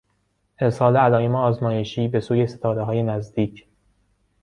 ارسال علایم آزمایشی به سوی ستارههای نزدیک